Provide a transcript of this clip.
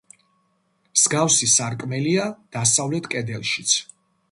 მსგავსი სარკმელია დასავლეთ კედელშიც.